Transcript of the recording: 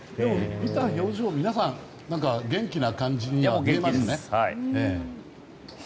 見た表情は皆さん元気な感じに見えますね。